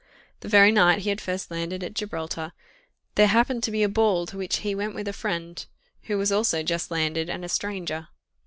The very night he had first landed at Gibraltar, there happened to be a ball to which he went with a friend, who was also just landed, and a stranger.